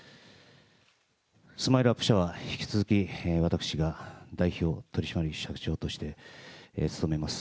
スマイルアップ社は、引き続き私が代表取締役社長として務めます。